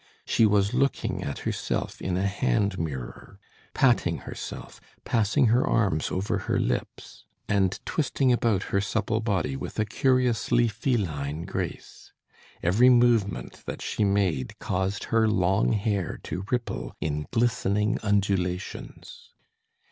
She was looking at herself in a hand mirror, patting herself, passing her arms over her lips, and twisting about her supple body with a curiously feline grace. Every movement that she made caused her long hair to ripple in glistening undulations.